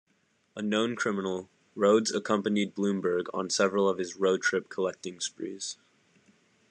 A known criminal, Rhodes accompanied Blumberg on several of his "road trip" collecting sprees.